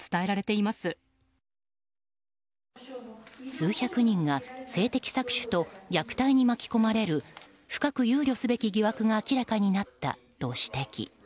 数百人が性的搾取と虐待に巻き込まれる深く憂慮すべき疑惑が明らかになったと指摘。